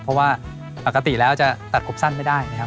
เพราะว่าปกติแล้วจะตัดผมสั้นไม่ได้นะครับ